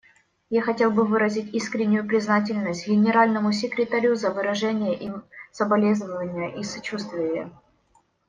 Я хотел бы выразить искреннюю признательность Генеральному секретарю за выраженные им соболезнования и сочувствие.